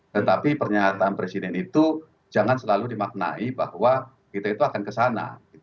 tetapi pernyataan presiden itu jangan selalu dimaknai bahwa kita itu akan kesana